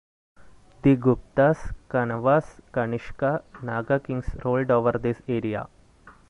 The Guptas, Kanvas, Kanishka, Naga kings ruled over this area.